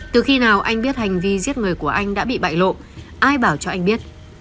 từ khi nào anh biết hành vi giết người của anh đã bị bại lộ ai bảo cho anh biết